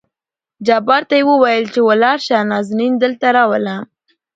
جبار ته يې ووېل چې ولاړ شه نازنين دلته راوله.